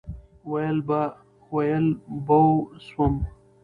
ویل بوه سوم.